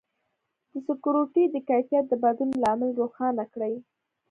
د سکروټي د کیفیت د بدلون لامل روښانه کړئ.